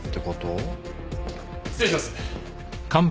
失礼します。